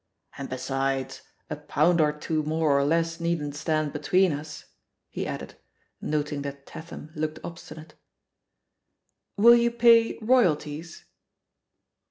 "And besides, a poimd or two more or less needn't stand between us,'^ he added, noting that Tatham looked obstinate. Will you pay royalties?"